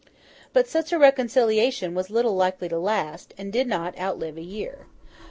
But such a reconciliation was little likely to last, and did not outlive a year.